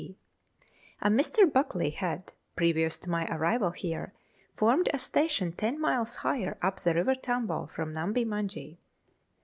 J.P. A Mr. Buckley had, previous to my arrival here, formed a station ten miles higher up the River Tambo from Numbie Munjee.